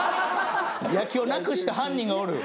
野球をなくした犯人がおる。